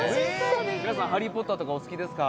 皆さん『ハリー・ポッター』とかお好きですか？